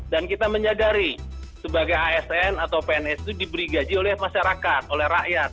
dan kita menyadari sebagai asn atau pns itu diberi gaji oleh masyarakat oleh rakyat